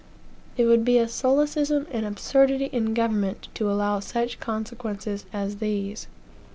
It would be a solecism and absurdity in government to allow such consequences as these.